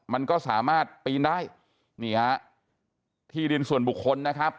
มันก็สามารถปีนได้นี่ฮะที่ดินส่วนบุคคลนะครับ